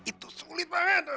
itu sulit banget